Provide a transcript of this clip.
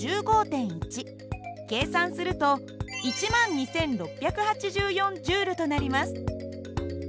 計算すると１２，６８４Ｊとなります。